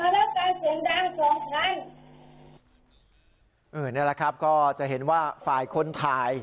นี่แหละครับก็จะเห็นว่าฝ่ายคนถ่าย